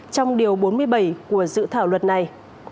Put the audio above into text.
trong điều bốn mươi bảy của dự thảo luật này